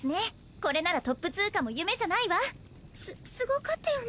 これならトップ通過も夢じゃないわすすごかったよね